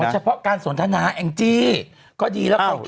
เพราะเฉพาะการสนทนาแองจีก็ดีแล้ว